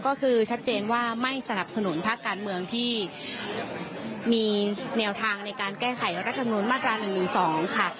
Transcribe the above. ก็คือชัดเจนว่าไม่สนับสนุนภาคการเมืองที่มีแนวทางในการแก้ไขรัฐมนุนมาตรา๑๑๒ค่ะ